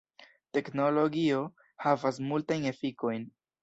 Teknologio havas multajn efikojn.